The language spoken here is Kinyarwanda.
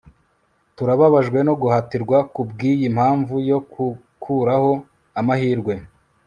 Turababajwe no guhatirwa kubwiyi mpamvu yo gukuraho amahirwe